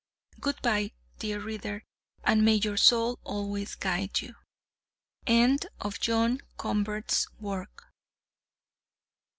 Good bye, dear reader, and may your soul always guide you. END OF JOHN CONVERT'S WORK.